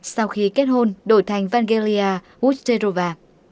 sau khi kết hôn đổi thành vangelia usterova